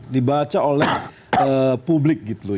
dibaca oleh publik gitu loh